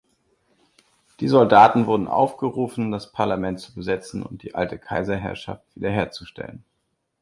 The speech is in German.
Die Soldaten wurden aufgerufen, das Parlament zu besetzen und die alte Kaiserherrschaft wiederherzustellen.